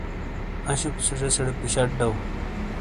انشُپ سے زیسیڑے پیشٹ دو